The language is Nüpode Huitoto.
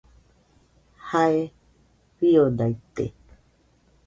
Jae fiodaite